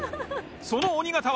その鬼肩は。